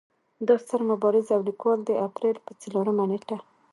دا ستر مبارز او ليکوال د اپرېل پۀ څلورمه نېټه